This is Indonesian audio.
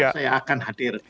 saya akan hadir